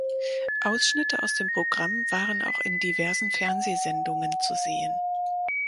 Ausschnitte aus dem Programm waren auch in diversen Fernsehsendungen zu sehen.